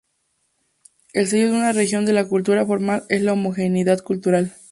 El sello de una región de la cultura formal es la homogeneidad cultural.